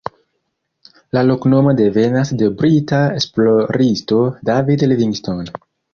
La loknomo devenas de brita esploristo David Livingstone.